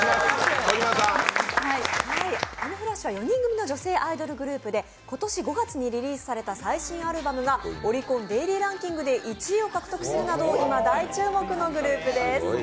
ＡＭＥＦＵＲＡＳＳＨＩは４人組の女性アイドルグループで今年５月にリリースされた最新アルバムがオリコンデイリーランキングで１位を獲得するなど今、大注目のグループです。